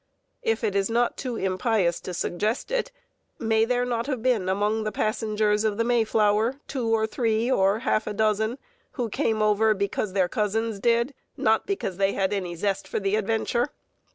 If it is not too impious to suggest it, may there not have been among the passengers of the Mayflower two or three or half a dozen who came over because their cousins did, not because they had any zest for the adventure?